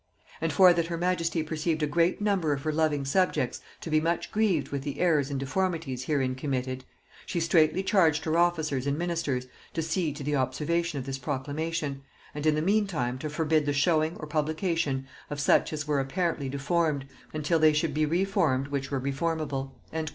And for that her majesty perceived a great number of her loving subjects to be much grieved with the errors and deformities herein committed, she straitly charged her officers and ministers to see to the observation of this proclamation, and in the meantime to forbid the showing or publication of such as were apparently deformed, until they should be reformed which were reformable."